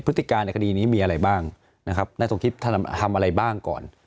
พฤติการในคดีนี้มีอะไรบ้างนะครับนายสมคิตท่านทำอะไรบ้างก่อน